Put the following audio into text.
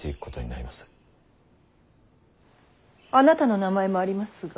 あなたの名前もありますが。